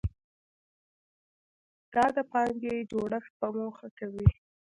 دا د پانګې جوړښت په موخه کوي.